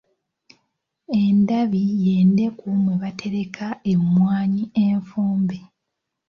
Endabi ye ndeku mwe batereka emmwaanyi enfumbe.